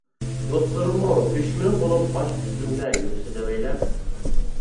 دوستلىرىممۇ دۈشمىنىم بولۇپ، باش ئۈستۈمدە يۈرسە دېۋەيلەپ.